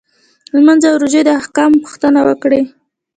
لمونځ او روژې د احکامو پوښتنه وکړي.